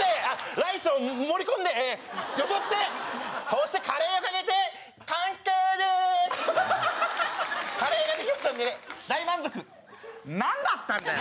ライスを盛り込んでよそってそしてカレーをかけて完成でーすカレーができましたんでね大満足何だったんだよ